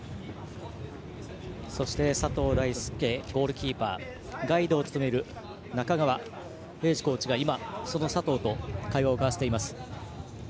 そして佐藤大介、ゴールキーパーガイドを務める中川英治コーチが佐藤と会話を交わしています。